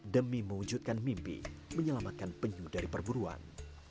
demi mewujudkan mimpi menyelamatkan penyu dari perburuan